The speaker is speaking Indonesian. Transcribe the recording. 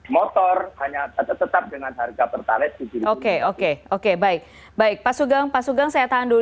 motor hanya tetap dengan harga pertalian oke oke oke baik baik pasugam pasugam saya tangan